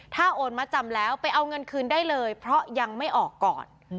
ถ้าโอนมาจำแล้วไปเอาเงินคืนได้เลยเพราะยังไม่ออกก่อน